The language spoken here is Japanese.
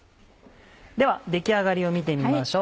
では出来上がりを見てみましょう。